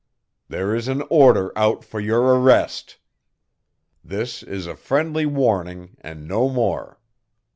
There is an order out for your arrest. This is a friendly warning and no more.